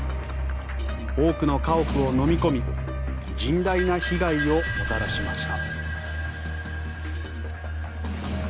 多くの家屋をのみ込み甚大な被害をもたらしました。